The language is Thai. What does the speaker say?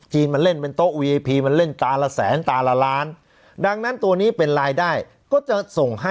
๕หมื่นแสนนึง